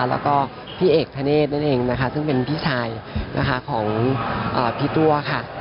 แล้วก็พี่เอกธเนธนั่นเองนะคะซึ่งเป็นพี่ชายนะคะของพี่ตัวค่ะ